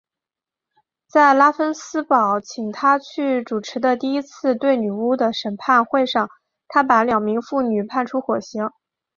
在拉芬斯堡请他去主持的第一次对女巫的审判会上他把两名妇女判处火刑。